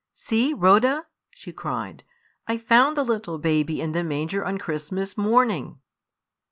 "See, Rhoda," she cried, "I found the little baby in the manger on Christmas morning!"